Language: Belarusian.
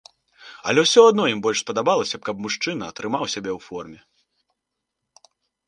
Але ўсё адно ім больш спадабалася б, каб мужчына трымаў сябе ў форме.